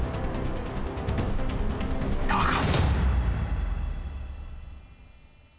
［だが］